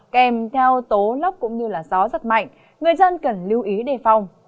kèm theo tố lóc cũng như gió giật mạnh người dân cần lưu ý đề phòng